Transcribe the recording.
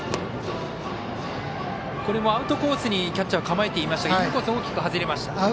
アウトコースにキャッチャー構えていましたがインコース大きく外れました。